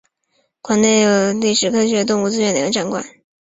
馆内现有农业历史和动物资源两个展馆。